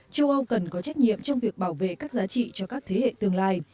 châu âu cần có trách nhiệm trong việc bảo vệ các giá trị cho các thế hệ tương lai